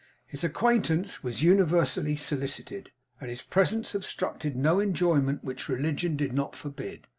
His acquaintance was universally solicited, and his presence obstructed no enjoyment which religion did not forbid.